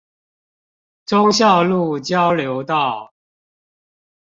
忠孝路交流道